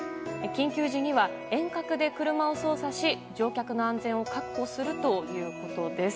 緊急時には、遠隔で車を操作し乗客の安全を確保するということです。